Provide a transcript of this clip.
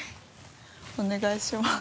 お願いします。